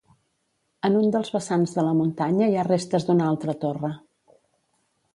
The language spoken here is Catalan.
En un dels vessants de la muntanya hi ha restes d'una altra torre.